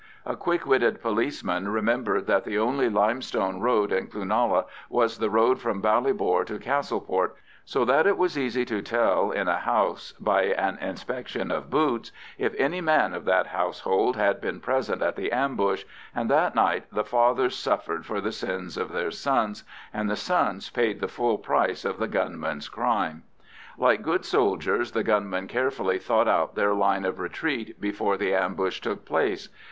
A quick witted policeman remembered that the only limestone road in Cloonalla was the road from Ballybor to Castleport, so that it was easy to tell in a house by an inspection of boots if any man of that household had been present at the ambush, and that night the fathers suffered for the sins of their sons, and the sons paid the full price of the gunmen's crime. Like good soldiers, the gunmen carefully thought out their line of retreat before the ambush took place.